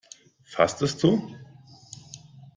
Fastest du?